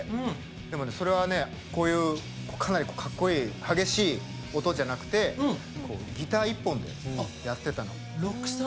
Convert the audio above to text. でも、それはね、こういうかっこいい激しい音じゃなくてギター一本でやってたの。